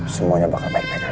semuanya bakal baik baik